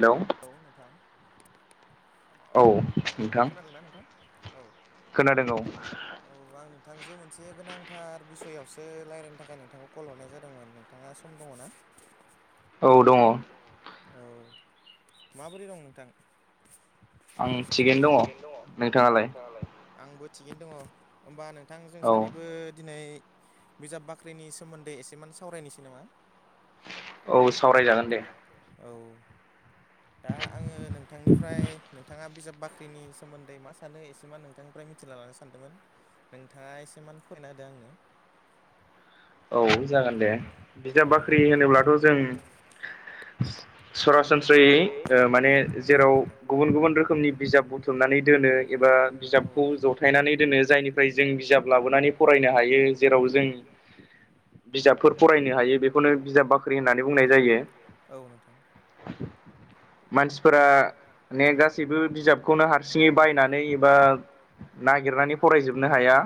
Hello? औ नोंथां। औ। औ खोनादोंना नोंथां औ खोनादों औ। औ आं नोंथांजो मोनसे गोनांथार बिसयआवसो रायज्लायनो थाखाय नोंथांखौ कल हरनाय जादोंमोन। नोंथाङा सम दङ ना? औ दङ। औ माबोरै दं नोंथां? आं थिगैनो दङ अ नोंथाङालाय? आंबो थिगैनो दङ ओमबा नोंथां जों सानैबो दिनै बिजाब बाख्रिनि सोमोन्दै एसेमान सावरायनोसै नामा? औ सावरायजागोन। सावरायजागोन दे औ दा आङो नोंथांनिफ्राय नों नोथाङा बिजाब बाख्रिनि सोमोन्दै मा सानो एसेमान नोंथांनिफ्राय मिथिना लानो सानदोंमोन। नोंथाङा एसेमान [unintelligible] होदो आंनो। औ जागोन दे बिजाब बाख्रि होनोब्लाथ' जों सरासनस्रायै ओ माने जेराव गुबुन गुबुन रोखोमनि बिजाब बुथुमनानै दोनो एबा बिजाबखौ जथायनानै दोनो जायनिफ्राय जों बिजाब लाबोनानै फरायनो हायो जेराव जों [inaudible] बिजाबफोर फरायनो हायो बेखौनो बिजाब बाख्रि होननानै बुंनाय जायो। औ नोंथां। मानसिफोरा उम माने गासैबो बिजाबखौनो हारसिङै बायनानै एबा। नागिरनानै फरायजोबनो हाया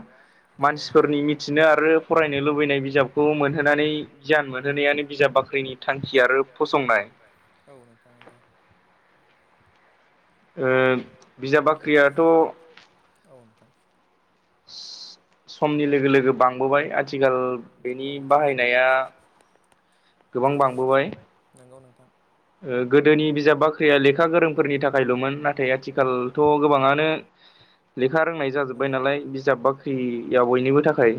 मानसिफोरनि मिथिनो आरो फरायनो लुबैनाय। बिजाबखौ मोनहोनानै गियान मोनहोनायानो बिजाब बाख्रिनि थांखि आरो। आरो फसंनाय औ नोंथां नंगौ। ओ बिजाब बाख्रियाथ'। औ नोंथां। समनि लोगो लोगो बांबोबाय आथिखाल बेनि बाहायनाया। गोबां बांबोबाय नोंगौ नोंथां। ओ गोदोनि बिजाब बाख्रिया लेखा गोरोंफोरनि थाखायल'मोन नाथाय आथिखालथ' गोबाङानो। लेखा रोंनाय जाजोब्बाय नालाय बिजाब बाख्रि। याव बयनिबो थाखाय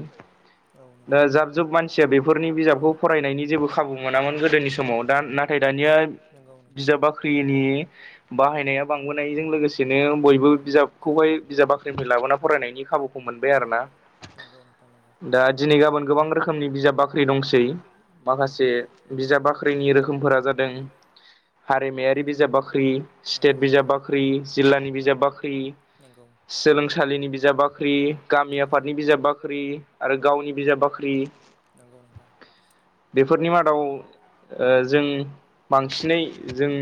दा जाब जुब मानसिया बेफोरनि बिजाबखौ फरायनायनि जेबो खाबु। मोनामोन गोदोनि समाव दा नाथाय दानिया। बिजाब बाख्रिनि बाहायनाया बांबोनायजों लोगोसेनो बयबो बिजाब। खौहाय बिजाब बाख्रिनिफ्राय लाबोना फरायनायनि खाबुखौ मोनबाय आरो मोनबाय आरो ना नोंगौ नोंथां नोंगौ दा दिनै गाबोन गोबां रोखोमनि बिजाब बाख्रि दंसै। नंगौ माखासे बिजाब बाख्रिनि रोखोमफोरा जादों। हारिमायारि बिजाब बाख्रि नंगौ नोंथां स्टेट बिजाब बाख्रि जिल्लानि बिजाब बाख्रि नंगौ। सोलोंसालिनि बिजाब बाख्रि गाब नि आफादनि बिजाब बाख्रि आरो गावनि बिजाब बाख्रि। बेफोरनि मादाव ओ जों बांसिनै जों।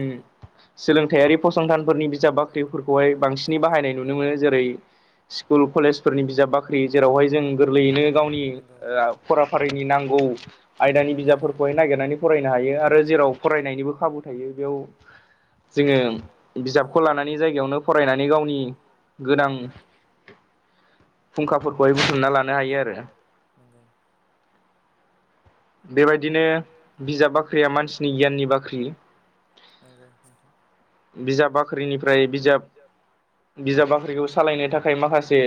सोलोंथाइयारि फसंथानफोरनि बिजाब बाख्रिफोरखौहाय बांसिनै बाहायनाय नुनो मोनो जेरै। स्कुल कलेजफोरनि। बिजाब बाख्रि जेरावहाय जों गोरलैयैनो गावनि फराफारिनि नांगौ। आयदानि बिजाबफोरखौहाय नागिरनानै फरायनो हायो आरो जेराव फरायनायनिबो खाबु थायो बेयाव। जोङो बिजाबखौ लानानै जायगायावनो गावनि गोनां। फुंखाफोरखौहाय बुथुमना लानो हायो आरो। नंगौ। बेबायदिनो बिजाब बाख्रिया मानसिनि गियाननि बाख्रि। नोंगौ नोंथां। बिजाब बाख्रिनिफ्राय बिजाब। बिजाब बाख्रिखौ सालायनो थाखाय माखासे।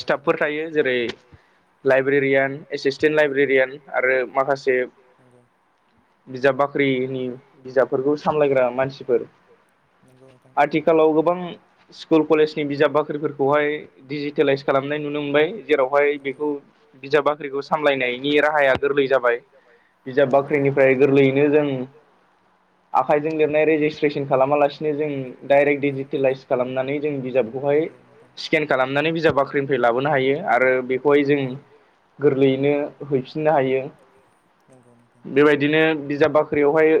स्टाफफोर थायो जेरै लाइब्रेरियान एसिस टेन लाइब्रेरियान आरो माखासे। बिजाब बाख्रिनि बिजाबफोरखौ सामलायग्रा। मानसिफोर आथिखालाव गोबां स्कुल कलेजनि बिजाब बाख्रिफोरखौहाय। दिडिजिटेलाइस खालामनाय नुनो मोनबाय जेरावहाय बेखौ बिजाब बाख्रिखौ सा सामलायनायनि राहाया गोरलै जाबाय बिजाब बाख्रिनिफ्राय गोरलैयैनो जों। आखाइजों लिरनाय रेजिस्ट्रेसन खालामालासिनो जों डाइरेक्ट डिजिटेलाइस खालामनानै जों बिजाबखौ। हाय स्केन खालामनानै बिजाब बाख्रिनिफ्राय लाबोनो हायो आरो बेखौहाय जों गोरलैयै नो हैफिननो हायो बेबायदिनो बिजाब बाख्रियावहाय।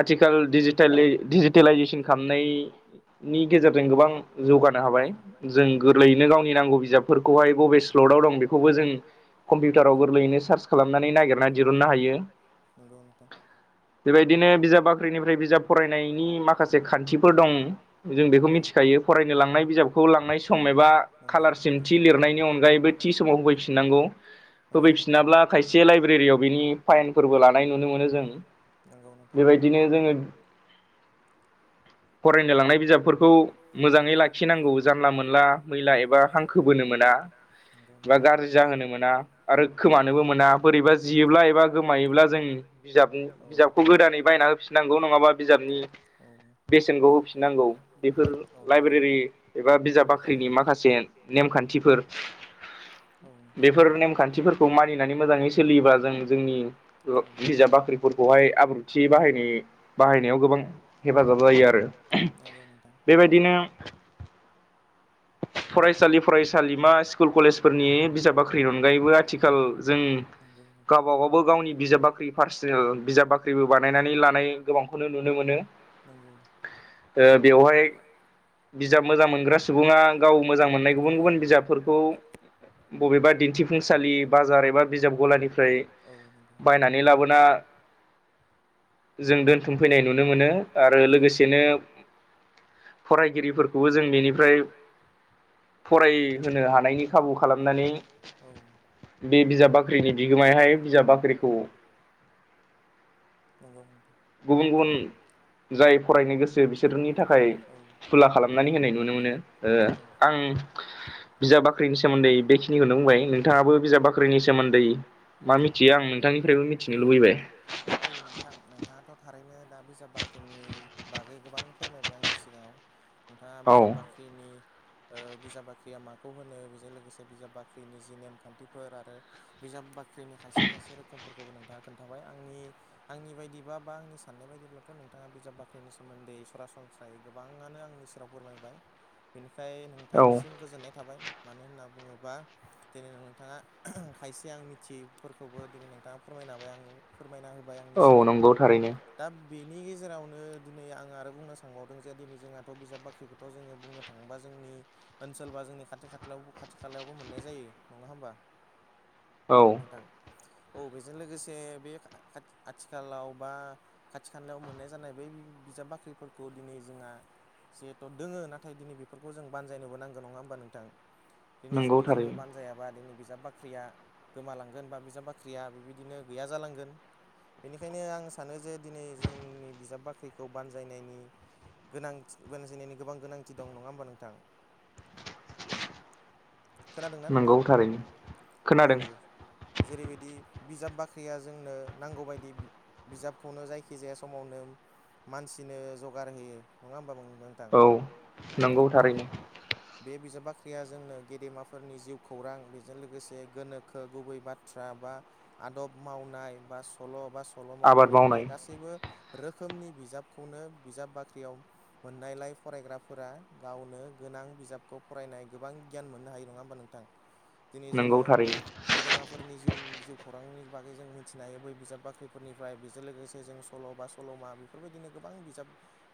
आथिखाल डिजिटेलि डिजिटेलायजेसन खालामनायनि गेजेरजों गोबां। जौगानो हाबाय जों गोरलैयैनो गावनि नांगौ बिजाबफोरखौहाय बबे स्लटआव दं बेखौबो जों। कम्पिउटाराव गोरलैनो सार्च खालामनानै नागिरनानै दिहुननो हायो नंगौ नोंथां। बेबायदिनो बिजाब बा ख्रिनिफ्राय बिजाब फरायनायनि माखासे खान्थिफोर दं जों बेखौ मिथिखायो। फरायनो लांनाय बिजाबखौ लांनाय सम एबा कलारसिम थि लिरनायनि अनगायैबो थि समाव होफैफिननांगौ। होफैफिनाब्ला खायसे लाइब्रेरियाव बिनि फाइनफोरबो लानाय नुनो मोनो जों। बेबायदिनो जोङो। फरायनो लांनाय बिजाबफोरखौ मोजाङै लाखिनांगौ जानला मोनला मैला एबा हांखो बोनो मोना। नोंगौ नोंथां। जाहोनो मोना आरो खोमानोबो मोना बोरैबा जियोब्ला एबा गोमायोब्ला जों बिजाब। बिजाबखौ गोदानै बायना होफिननांगौ नङाबा बिजाबनि। बेसेनखौ होफिननांगौ बेफोर लाइब्रेरि एबा बिजाब बाख्रिनि माखासे। नेमखान्थिफोर। औ नोंथां नंगौ बेफोर नेमखान्थिफोरखौ मानिनानै मोजाङै सोलियोबा जों। ओ बिजाब बाख्रिफोरखौहाय आब्रुथि बाहायनाय बाहायनायाव गोबां। हेफाजाब जायो आरो बेबायदिनो। फरायसालि फरायसालि मा स्कुल कलेजफोरनि बिजाब बाख्रि। बाख्रि अनगायैबो आथिखाल जों नंगौ नोंथां गावबा गाव गावनि बिजाब बाख्रि पार्सनेल। बिजाब बाख्रिबो बानायनानै लानाय गोबांखौनो नुनो मोनो। ओ बेवहाय। बिजाब मोजां मोनग्रा सुबुङा गाव मोजां मोननाय गुबुन गुबुन बिजाबफोरखौ बबेबा। बबेबा दिन्थिफुंसालि बाजार एबा बिजाब गलानिफ्राय औ नंगौ बायनानै लाबोना। [inaudible] जों दोनथुमफैनाय नुनो मोनो आरो लोगोसे। लोगोसेनो। फरायगिरिफोरखौबो जों बेनिफ्राय। फरायहोनो हानायनि खाबु खालामनानै। औ बे बिजाब बाख्रिनि बिगोमायहाय बिजाब बाख्रिखौ। गुबुन गुबुन जाय फरायनो। गोसो बिसोरनि थाखाय खुला खालामनानै होनाय नुनो ओ आं। बिजाब बाख्रिनि सोमोन्दै बेखिनिखौनो बुंबाय। बुंबाय नोंथाङाबो बिजाब बाख्रिनि सोमोन्दै मा मिथियो आं नोंथांनिफ्रायबो मिथिनो लुबैबाय। औ नोंथां नोंथाङाथ' थारैनो दा बिजाब बाख्रिनि। बागै गोबां फोरमायबाय आंनि सिगाङाव नोंथाङा बिजाब बाख्रिनि। ओ बिजाब बाख्रिया माखौ होनो बेजों लोगोसे बिजाब बाख्रिनि जि नेमखान्थिफोर आरो। बिजाब बाख्रिनि खायसे खायसे रोखोमफोरखौबो नोंथाङा खोन्थाबाय आंनि। आंनि बायदिबा बा आंनि साननाय बायदिब्लाथ' नोंथाङा बिजाब बा ख्रिनि सोमोन्दै सरासनस्रायै गोबाङानो आंनि सेराव फोरमायबाय। बेनिखाय नोंथांनिसिम गोजोननाय थाबाय मानो होनना बुङोब्ला। दिनै नोंथाङा खायसे आं मिथियैफोरखौबो दिनै नोंथाङा फोरमायनो होबाय आंनो। फोरमायना होबाय आंनिसिम दा बेनि गेजेरावनो। दिनै आंङो आरो बुंनो सानबावदों जे दिनै जोंहाथ' बिजाब बाख्रिखौथ' जोङो बुंनो थाङोबा जोंनि। ओनसोल बा जोंनि खाथि खाथि खाथि खालायावबो मोननाय जायो नङा होमबा। नोंथां औ बेजों लोगोसे बे आ-आथिखालाव बा। खाथि खालायाव मोननाय जानाय बै बिजाब बाख्रिफोरखौ दिनै जोंहा। जिहेतु दोङो नाथाय दिनै बेफोरखौ जों बानजायनो गोनांबो नङा होमबा नोंथां। दिनै जुदि जोङो बानजायाबा बिजाब बा ख्रिया बिजाब बाख्रिया बेबायदिनो गैया जालांगोन। बेनिखायनो आं सानो जे दिनै जोंनि बिजाब बाख्रिखौ। खौ बानजायनायनि गोनां बानजायनायनि गोबां गोनांथि दं नङा होमबा नोंथां। खोनादोंना नोंथां औ खोनादों। जेरैबायदि बिजाब बाख्रिया जोंनो नांगौबायदि। बिजाबखौनो जायखिजाया समावनो। मानसिनो जगार होयो नङा होमबा नोंथां औ औ। बे बिजाब बाख्रिया जोंनो गेदेमाफोरनि जिउ खौरां बेजों लोगोसे गोनोखो गुबै बाथ्रा बा आदब मावनाय बा सल' बा सल'मा बा खन्थाइ गासैबो रोखोमनि। बिजाबखौनो बिजाब बाख्रियाव। मोननायलाय फरायग्राफोरा गावनो गोनां बिजाबखौ फरायनाय गोबां गियान मोननो हायो नङा होमबा नोंथां। दिनै जोङो। गेदेमाफोरनि जिउनि जिउ खौरांनि बागै जों मिथिनो हायो बै बिजाब बाख्रिफोरनिफ्राय बेजों लोगोसे जों सल' बा। सल'मा बेफोरबायदिनो गोबां बिजाब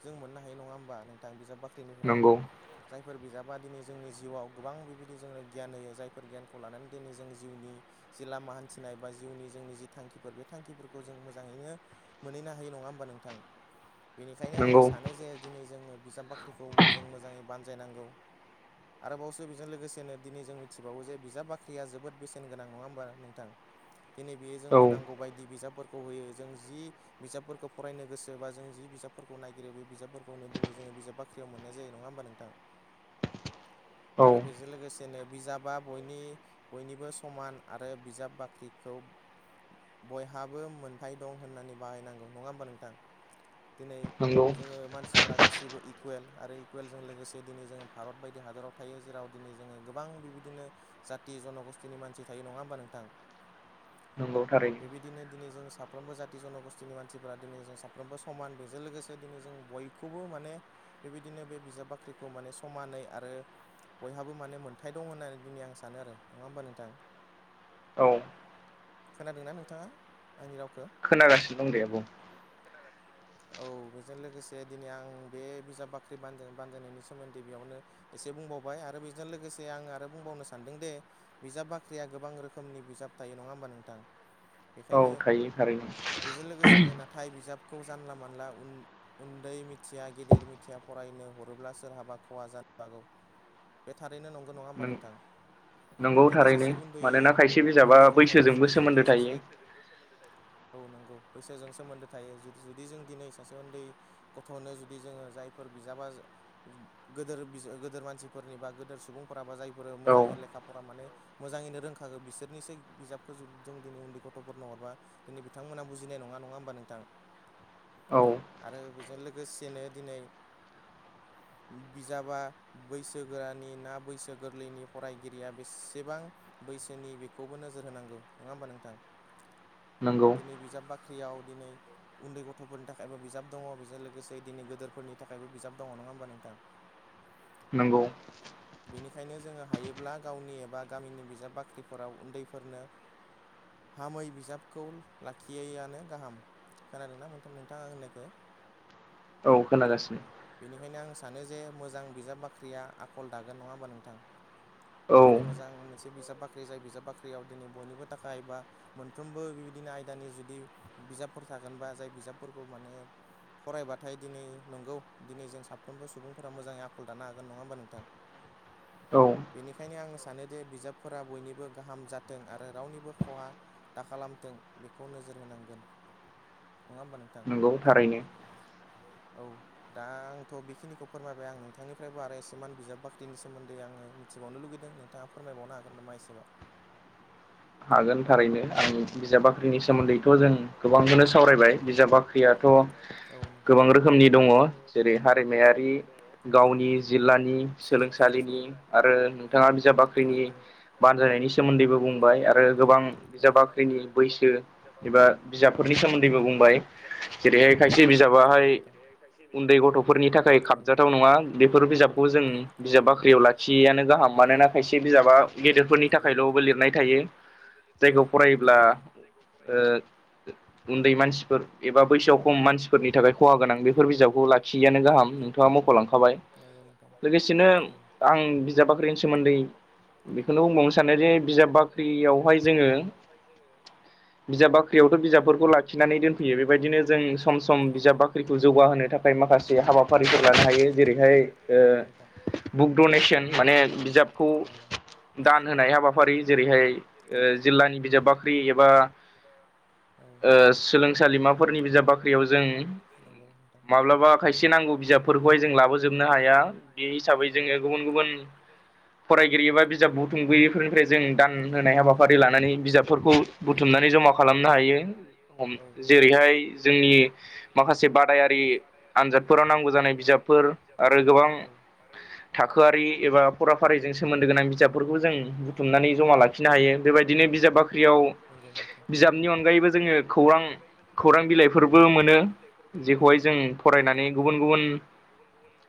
जों मोननो हायो नङा होमबा नोंथां बिजाब बाख्रिनिफ्राय नंगौ। जायफोर बिजाबा दिनै जोंनि जिउआव गोबां बेबायदि जोंनो गियान होयो जायफोर गियानखौ लानानै दिनै जों जिउनि। जि लामा हान्थिनाय बा जिउनि जोंनि जि थांखिफोरखौ जों मोजाङैनो। मोनहैनो हायो नङा होमबा नोंथां। बेनिखायनो आङो सानो जे दिनै जोङो बिजाब बाख्रिखौ जों मोजाङै बानजायनांगौ। आरोबावसो बेजों लोगोसेनो दिनै जों मिथिबावो जे बिजाब बाख्रिया जोबोद बेसेन गोनां नङा होमबा नोंथां। बेयो जोंनो नांगौ बायदि बिजाबफोरखौ होयो जों जि बिजाबफोरखौ फरायनो गोसो। सोरबा जों जि बिजाबफोरखौ नायगिरो बे बिजाबफोरखौनो दिनै जोङो बिजाब बाख्रियाव मोननाय जायो नङा होमबा नोंथां। आरो बिजों लोगोसेनो बिजाबा बयनि बयनिबो समान आरो बिजाब बाख्रिखौ। बयहाबो मोनथाय दं होननानै बाहायनांगौ नङा होमबा नोंथां दिनै जोङो मानसिफ्रा गासिबो इकुवेल आरो इकुवेलजों लोगोसे दिनै जोङो भारत बायदि हादराव थायो जेराव दिनै जोङो गोबां बिबायदिनो जाथि जन'गस्तनि मानसि थायो नङा होमबा नोंथां नंगौ थारैनो बेबायदिनो दिनै जों साफ्रोमबो जाथि जन'गस्थिनि मानसिफोरा दिनै जों सा फ्रोमबो समान बेजों लोगोसे दिनै जों बयखौबो माने बेबायदिनो बे बिजाब बाख्रिखौ माने समानै आरो बयहाबो माने मोनथाय दं होननानै दिनै आं सानो आरो नङा होमबा नोंथां औ खोनादोंना नोंथाङा रावखो खोनागासिनो दं दे बुं खोनागासिनो दं औ बेजों लोगोसे दिनै आं बे बिजाब बाख्रि बानजाय बानजायनायनि सोमोन्दै बेयावनो एसे बुंबावबाय आरो बेजों लोगोसे आं आरो बुंबावनो सानदों दे बिजाब बाख्रिया गोबां रोखोमनि बिजाब थायो नङा होमबा नोंथां बेखायनो बेजों लोगोसेनो नाथाय बिजाबखौ जानला मोनला उन उन्दै मिथिया गेदेर मिथिया फरायनो हरोब्ला सोरहाबा खहा जानो हागौ बे थारैनो नङा होमबा नोंथां दिनै सासे उन्दै उन्दै गथनो जुदि जोङो सासे बैसोजोंबो सोमोन्दो थायो औ नंगौ बैसोजों सोमोन्दो थायो जुदि जों दिनै सासे उन्दै गथ'नो जुदि जोङो जायफोर बिजाबा जों गोदोर बिज ओ गोदोर मानसिफोरनि बा गोदोर सुबुंफोरा बा जायफोर मोजां लेखाफोरा माने मोजाङैनो रोंखागो बिसोरनिसो बिजाबखौ ज जों दिनै उन्दै गथ'फोरनो हरबा दिनै बिथांमोना बुजिनाय नङा नङा होमबा नों थां आरो बेजों लोगोसेनो दिनै बिजाबा बैसोगोरानि ना बैसो गोरलैनि फरायगिरिया बेसेबां बैसोनि बेखौबो नोजोर होनांगौ नङा होमबा नोंथां दिनै बिजाब बाख्रियाव दिनै उन्दै गथ'फोरनि थाखायबो बिजाब दङ बेजों लोगोसे दिनै गोदोरफोरनि थाखायबो बिजाब दङ नङा होमबा नोंथां। [inaudible] नंगौ। बिनिखायनो जोङो हायोब्ला गावनि एबा गामिनि बिजाब बाख्रिफोराव उन्दैफोरनो हामै बिजाबखौ लाखियैआनो गाहाम। खोनादों ना नोंथां नोंथाङा आं होननायखौ। औ खोनागासिनो। बेनिखायनो आं सानो जे मोजां बिजाब बाख्रिया आखल दागोन नङा होमबा नोंथां। दिनै मोजां मोनसे बिजाब बाख्रि ख्रि जाय बिजाब बाख्रियाव दिनै बयनिबो थाखाय बा मोनफ्रोमबो बेबायदिनो आयदानि जुदि बिजाब फोर थागोनबा जाय बिजाबफोरखौ माने फरायबाथाय दिनै नंगौ दिनै जों साफ्रोमबो सुबुंफोरा मोजाङै आखल दानो हागोन नङा होमबा नोंथां। [inaudible] बेनिखायनो आङो सानोदि बिजाबफोरा बयनिबो गाहाम जाथों आरो रावनिबो खहा दा खालामथों बेखौ नोजोर होनांगोन। नङा होमबा नोंथां। नंगौ थारैनो। औ दा आंथ' बेखिनिखौ फोरमायबाय आं नोंथांनिफ्रायबो आरो एसेमान बिजाब बाख्रिनि सोमोन्दै आङो मिथिबावनो लुगैदों। दा फोरमायबावनो हागोन नामा एसे बाव? हागोन थारैनो आंनि बिजाबाख्रिनि सोमोन्दैथ' जों बांनो सावरायबाय बिजाब बाख्रियाथ' गोबांरोखोमनि दङ जेरै हारिमायारि गावनि जिल्लानि सोलोंसालिनि आरो। बिथाङा बिजाब बाख्रिनि बानजायनायनि सोमोन्दैबो बुंबाय आर ओ गोबां बिजाब बाख्रिनि बैसो एबा बिजाब फोरनि सोमोन्दैबो बुंबाय जेरैहाय खायसे बिजाबाहाय उन्दै गथ'फोरनि थाखाय खाय खाबजाथाव नङा बेफोर बिजाबखौ जों बिजाब बाख्रियाव लाखियैयानो गाहाम मानोना खायसे बिजाबा गेदेरफोरनि थाखायल'बो लिरनाय थायो [unintelligible] जायखौ फरायोब्ला ओ। उन्दै मानसिफोर एबा बैसोआव खम मानसिफोरनि थाखाय खहा गोनां बेफोर बिजाबखौ लाखियैआनो गाहाम। थाङा मख'लांखाबाय लोगोसेनो आं बिजाब बाख्रिनि सोमोन्दै बेखौनो बुंबावनो सानो जे बिजाब औ बाख्रियावहाय बाख्रियावहाय जोङो बिजाब बाख्रियावथ' बिजाबफोरखौ लाखिनानै दोनफैयो बेबायदिनो जों सम सम बिजाब बाख्रिखौ जौगाहोनो थाखाय माखासे। जौ हाबाफारिफोर लानो हायो जेरैहाय ओ बुक डनेसन माने बिजाबखौ दान होनाय हाबाफारि जेरैहाय औ ओ जिल्लानि बिजाब बाख्रि एबा। औ ओ सोलोंसालिमाफोरनि बिजाब बाख्रियाव जों नंगौ नोंथां माब्लाबा खायसे नांगौ बिजाबफोरखौहाय जों लाबोजोबनो हाया बे हिसाबै जोङो गुबुन गुबुन फरायगिरि एबा बिजाब बुथुमगिरिफोरनिफ्राय जों दान होनाय हाबा फारि लानानै बिजाबफोरखौ बुथुमनानै जमा खालामनो हा यो हम जेरैहाय जोंनि माखासे बादायारि दायारि आनजादफोराव नांगौ जानाय बिजाबफोर आरो गोबां फराफारिजों सोमोन्दो गोनां बिजाबफोरखौबो जों बुथुमनानै जमा लाखिनो हायो। बे बायदिनो बिजाब बाख्रियाव बिजाबनि अनगायैबो जोङो बिजाबनि अनगायैबो जोङो खौरां खौरां बिलाइफोरबो मोनो बेखौहाय जों फरायनानै गुबुन गुबुन